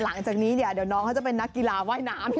หลังจากนี้เดี๋ยวน้องเขาจะเป็นนักกีฬาว่ายน้ำ